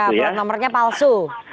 ya pelat nomernya palsu